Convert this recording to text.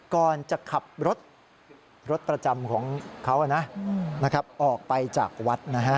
ก่อนจะขับรถประจำของเขามาออกไปจากวัด